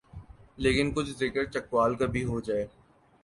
لیکن کچھ ذکر چکوال کا بھی ہو جائے۔